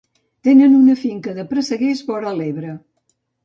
Tenen una finca de presseguers vora l'Ebre.